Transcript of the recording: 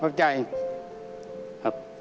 ขอบใจครับครับ